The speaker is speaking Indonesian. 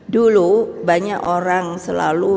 dulu banyak orang selalu